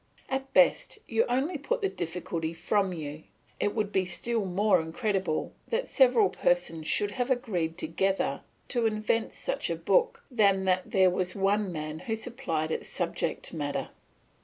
At best, you only put the difficulty from you; it would be still more incredible that several persons should have agreed together to invent such a book, than that there was one man who supplied its subject matter.